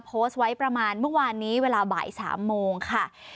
โพสต์ไว้ประมาณเมื่อวานนี้เวลาบ่าย๓โมงค่ะ